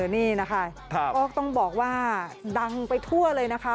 นี่นะคะก็ต้องบอกว่าดังไปทั่วเลยนะคะ